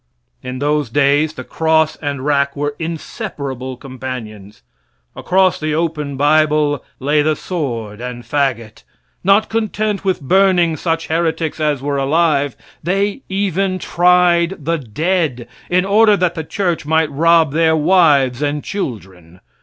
In those days the cross and rack were inseparable companions. Across the open bible lay the sword and fagot. Not content with burning such heretics as were alive, they even tried the dead, in order that the church might rob their wives and children.